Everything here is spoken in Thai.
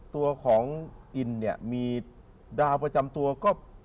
ตัวของอินเนี่ยมีดาวประจำตัวก็